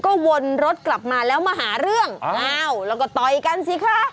ก็วนรถกลับมาแล้วมาหาเรื่องอ้าวแล้วก็ต่อยกันสิคะ